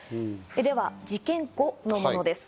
では、事件後のものです。